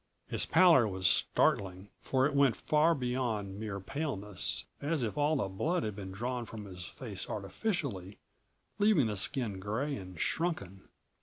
His pallor was startling, for it went far beyond mere paleness, as if all the blood had been drawn from his face artificially, leaving the skin gray and shrunken.